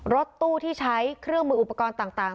รถตู้ที่ใช้เครื่องมืออุปกรณ์ต่าง